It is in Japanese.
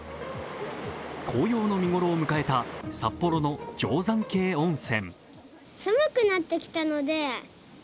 紅葉の見頃を迎えた札幌の定山渓温泉。